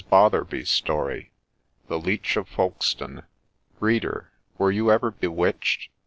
BOTHERBY'S STORY THE LEECH OF FOLKESTONE READER, were you ever bewitched